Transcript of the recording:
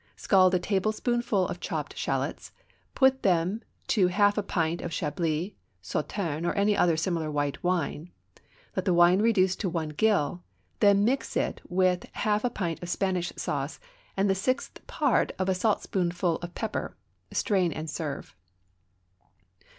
Scald a tablespoonful of chopped shallots; put them to half a pint of Chablis, Sauterne, or any similar white wine; let the wine reduce to one gill; then mix with it half a pint of Spanish sauce and the sixth part of a saltspoonful of pepper. Strain and serve.